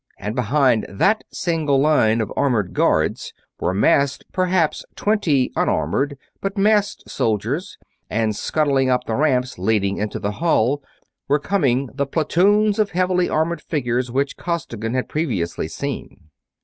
And behind that single line of armored guards were massed perhaps twenty unarmored, but masked, soldiers; and scuttling up the ramps leading into the hall were coming the platoons of heavily armored figures which Costigan had previously seen.